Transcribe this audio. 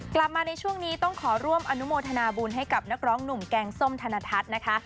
กลับมาในช่วงนี้ต้องขอร่วมอนุโมทนาบุญให้กับนักร้องหนุ่มแกงส้มธนทัศน์นะคะ